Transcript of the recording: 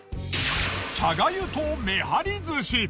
茶がゆとめはり寿司